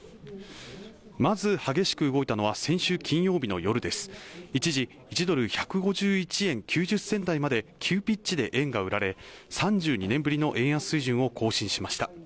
まず激しく動いたのは先週金曜日の夜です一時１ドル＝１５１円９０銭台まで急ピッチで円が売られ３２年ぶりの円安水準を更新しました